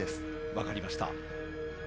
分かりました。